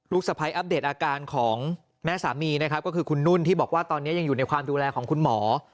สะพ้ายอัปเดตอาการของแม่สามีนะครับก็คือคุณนุ่นที่บอกว่าตอนนี้ยังอยู่ในความดูแลของคุณหมอ